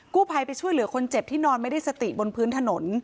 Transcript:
กู้ภัยไปช่วยเหลือคนเจ็บที่นอนไม่ได้สติบนพื้นถนน